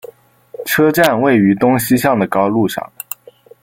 车站位于东西向的高路上。